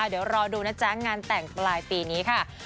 เดี๋ยวรอดูนะจ๊ะงานแต่งปลายปีนี้ค่ะ